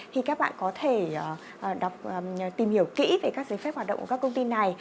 thì các bạn có thể tìm hiểu kỹ về các giấy phép hoạt động của các công ty này